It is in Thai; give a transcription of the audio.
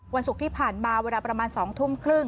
วันศุกร์ที่ผ่านมาเวลาประมาณ๒ทุ่มครึ่ง